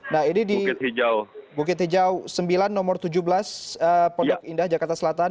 nah ini di bukit hijau sembilan nomor tujuh belas pondok indah jakarta selatan